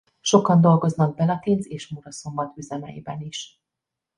Sokan dolgoznak Belatinc és Muraszombat üzemeiben is.